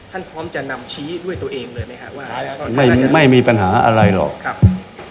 พร้อมจะนำชี้ด้วยตัวเองเลยไหมครับว่าไม่ไม่มีปัญหาอะไรหรอกครับ